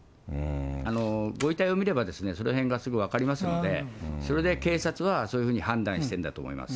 ご遺体を見れば、そのへんがすぐ分かりますので、それで警察はそういうふうに判断してるんだと思います。